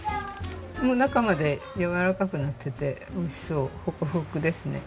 もう中までやわらかくなってておいしそうホクホクですね。